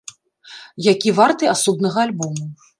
Які варты асобнага альбому.